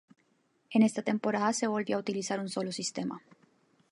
En esta temporada se volvió a utilizar un sólo sistema.